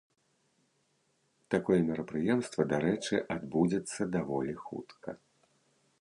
Такое мерапрыемства, дарэчы, адбудзецца даволі хутка.